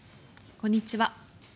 こんにちは。